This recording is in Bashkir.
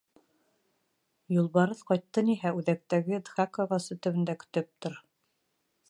Юлбарыҫ ҡайттыниһә, үҙәктәге дхак ағасы төбөндә көтөп тор.